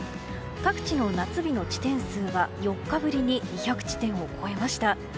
各地の夏日の地点数は４日ぶりに２００地点を超えました。